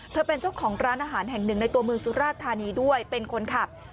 เป็นเจ้าของร้านอาหารแห่งหนึ่งในตัวเมืองสุราชธานีด้วยเป็นคนขับ